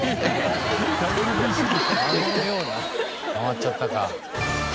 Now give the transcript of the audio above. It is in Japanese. ハマっちゃったか。